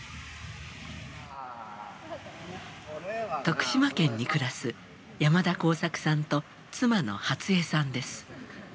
徳島県に暮らす山田耕作さんと妻の初江さんです。